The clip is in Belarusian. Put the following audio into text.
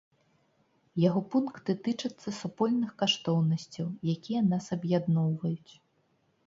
Яго пункты тычацца супольных каштоўнасцяў, якія нас аб'ядноўваюць.